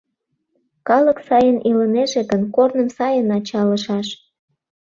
Калык сайын илынеже гын, корным сайын ачалышаш.